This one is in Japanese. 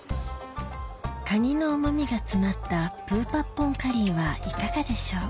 カニのうま味が詰まったプー・パッポン・カリーはいかがでしょう？